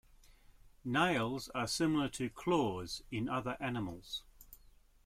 Nails are similar to claws in other animals.